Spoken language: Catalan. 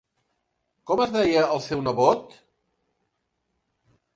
Com es deia el seu nebot?